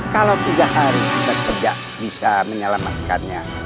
kalau tiga hari bekerja bisa menyelamatkannya